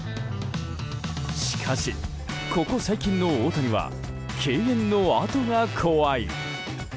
しかし、ここ最近の大谷は敬遠のあとが怖い。